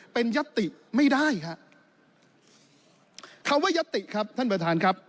เป็นยัตติไม่ได้ฮะคำว่ายัตติครับท่านประธานครับ